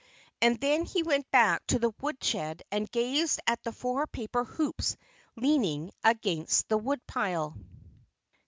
And then he went back to the woodshed and gazed at the four paper hoops leaning against the woodpile.